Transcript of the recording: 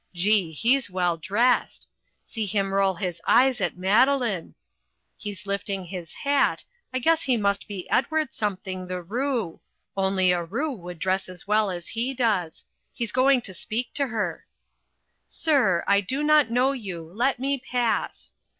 Gee! he's well dressed. See him roll his eyes at Madeline! He's lifting his hat I guess he must be Edward Something, the Roo only a roo would dress as well as he does he's going to speak to her "SIR, I DO NOT KNOW YOU. LET ME PASS."